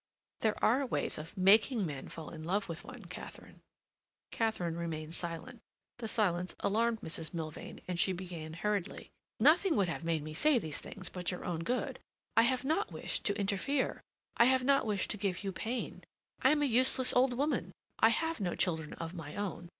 "There are ways of making men fall in love with one, Katharine." Katharine remained silent. The silence alarmed Mrs. Milvain, and she began hurriedly: "Nothing would have made me say these things but your own good. I have not wished to interfere; I have not wished to give you pain. I am a useless old woman. I have no children of my own.